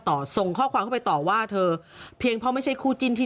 ส่งข้อความเข้าไปต่อว่าเธอเพียงเพราะไม่ใช่คู่จิ้นที่